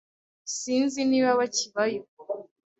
Sinzi niba bakibayo.